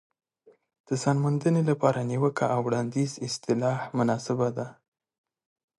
د ځان موندنې لپاره نیوکه او وړاندیز اصطلاح مناسبه ده.